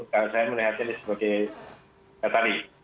kalau saya melihatnya sebagai ya tadi